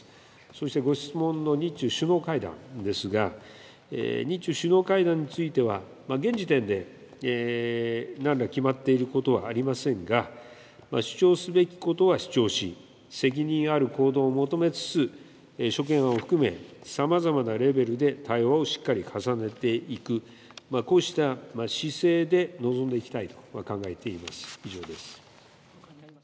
そして、ご質問の日中首脳会談ですが、日中首脳会談については、現時点でなんら決まっていることはありませんが、主張すべきことは主張し、責任ある行動を求めつつ、諸懸案を含め、さまざまなレベルで対話をしっかり重ねていく、こうした姿勢で臨んでいきたいと考えています。